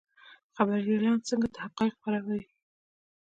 خبریالان څنګه حقایق خپروي؟